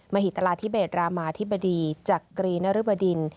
หิตราธิเบศรามาธิบดีจักรีนริบดิน